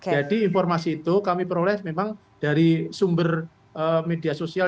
jadi informasi itu kami peroleh memang dari sumber media sosial